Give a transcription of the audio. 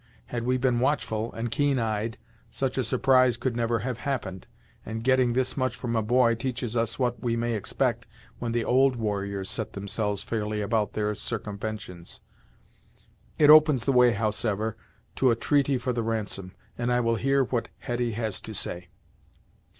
Had we been watchful, and keen eyed, such a surprise could never have happened, and, getting this much from a boy teaches us what we may expect when the old warriors set themselves fairly about their sarcumventions. It opens the way, howsever, to a treaty for the ransom, and I will hear what Hetty has to say."